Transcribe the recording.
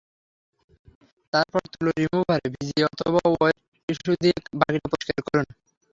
তারপর তুলো রিমুভারে ভিজিয়ে অথবা ওয়েট টিসু দিয়ে বাকিটা পরিষ্কার করুন।